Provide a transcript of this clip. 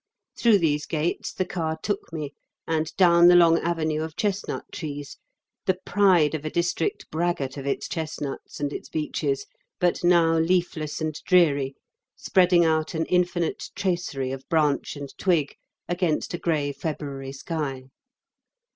Through these gates the car took me and down the long avenue of chestnut trees, the pride of a district braggart of its chestnuts and its beeches, but now leafless and dreary, spreading out an infinite tracery of branch and twig against a grey February sky.